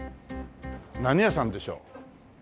何屋さんでしょう。